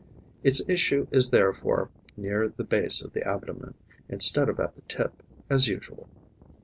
Its issue is therefore near the base of the abdomen, instead of at the tip, as usual.